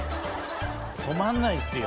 止まんないっすよ。